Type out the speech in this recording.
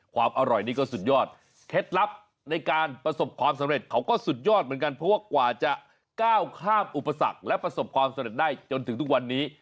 ความอร่อยนี่ก็สุดยอดเคล็ดลับในการประสบความสำเร็จเขาก็สุดยอดเหมือนกันเพราะว่ากว่าจะก้าวข้ามอุปสรรคและประสบความสำเร็จได้จนถึงทุกวันนี้